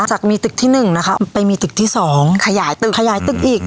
จากมีตึกที่หนึ่งนะคะไปมีตึกที่สองขยายตึกขยายตึกอีก